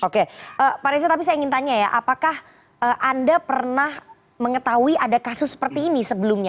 oke pak reza tapi saya ingin tanya ya apakah anda pernah mengetahui ada kasus seperti ini sebelumnya